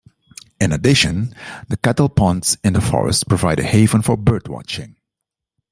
In addition, the kettle ponds in the forest provide a haven for bird watching.